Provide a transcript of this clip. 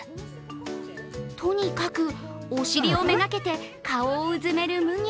とにかくお尻を目がけて顔をうずめる麦